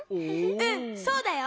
うんそうだよ。